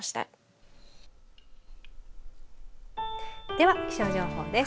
では気象情報です。